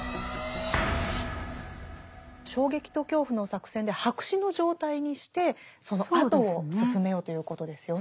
「衝撃と恐怖」の作戦で白紙の状態にしてそのあとを進めようということですよね。